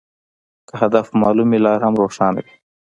که هدف معلوم وي، لار هم روښانه وي.